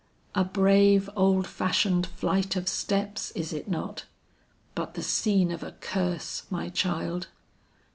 "A brave, old fashioned flight of steps is it not! But the scene of a curse, my child."